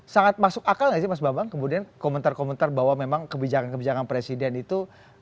sangat masuk akal nggak sih mas bambang kemudian komentar komentar bahwa memang kebijakan kebijakan presiden itu